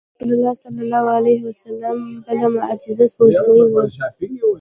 د رسول الله صلی الله علیه وسلم بله معجزه سپوږمۍ وه.